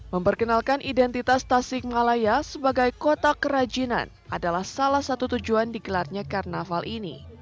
memperkenalkan identitas tasik malaya sebagai kota kerajinan adalah salah satu tujuan digelarnya karnaval ini